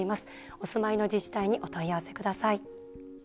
お住まいの自治体にお問い合わせください。